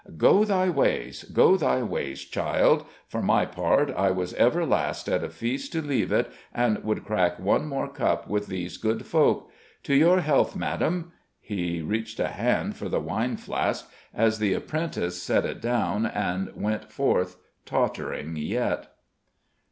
"Go thy ways go thy ways, child. For my part I was ever last at a feast to leave it, and would crack one more cup with these good folk. To your health, Madam!" He reached a hand for the wine flask as the apprentice set it down and went forth, tottering yet.